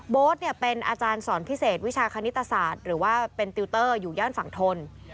เป็นอาจารย์สอนพิเศษวิชาคณิตศาสตร์หรือว่าเป็นติวเตอร์อยู่ย่านฝั่งทน